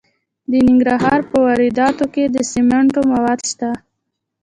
د ننګرهار په روداتو کې د سمنټو مواد شته.